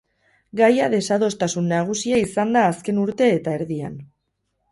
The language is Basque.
Gaia desadostasun nagusia izan da azken urte eta erdian.